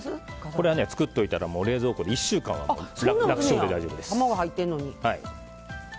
これは作っておいたら冷蔵庫で１週間は卵入ってるのに。